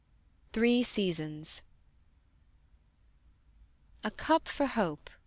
THREE SEASONS. "A cup for hope!"